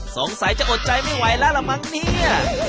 สงสัยจะอดใจไม่ไหวแล้วล่ะมั้งเนี่ย